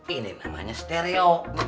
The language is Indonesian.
ini namanya stereo